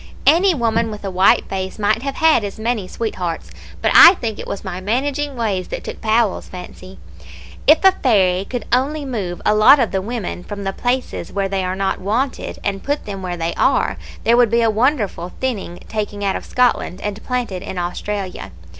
Any woman with a white face might have had as many sweethearts; but I think it was my managing ways that took Powell's fancy. If a fairy could only move a lot of the women from the places where they are not wanted, and put them where they are, there would be a wonderful thinning taken out of Scotland and planted in Australia.